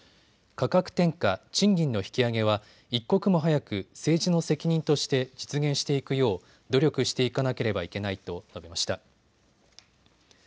価格転嫁、賃金の引き上げは一刻も早く政治の責任として実現していくよう努力していかなければいけないと述べました。